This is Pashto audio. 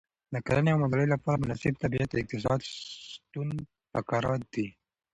د کرنې او مالدارۍ لپاره مناسب طبیعت د اقتصاد ستون فقرات دی.